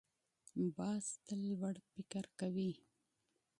باز تل لوړ فکر کوي